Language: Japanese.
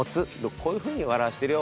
こういうふうに笑わせてるよ